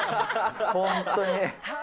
本当に。